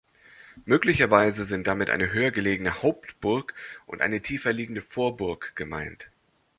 Möglicherweise sind damit eine höher gelegene Hauptburg und eine tiefer liegende Vorburg gemeint.